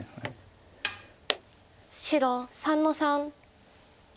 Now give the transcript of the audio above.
白３の三。